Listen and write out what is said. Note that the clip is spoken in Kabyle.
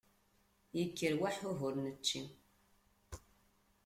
Ikker waḥuh ur nečči.